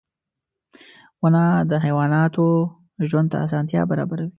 • ونه د حیواناتو ژوند ته اسانتیا برابروي.